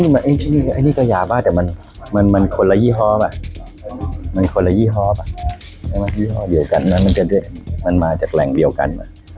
มันคนละยี่ฮอล์ค่ะยี่ฮอล์เดียวกันแล้วมันจะได้มันมาจากแหล่งเดียวกัน